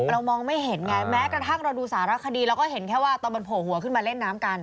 เรามองไม่เห็นไงแม้กระทั่งเราดูสารคดีเราก็เห็นแค่ว่าตอนมันโผล่หัวขึ้นมาเล่นน้ำกัน